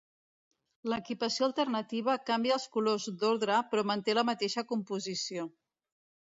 L'equipació alternativa canvia els colors d'ordre, però manté la mateixa composició.